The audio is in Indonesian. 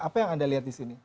apa yang anda lihat disini